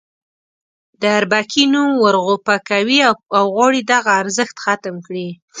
د اربکي نوم ورغوپه کوي او غواړي دغه ارزښت ختم کړي.